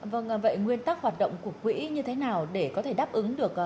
vâng vậy nguyên tắc hoạt động của quỹ như thế nào để có thể đáp ứng được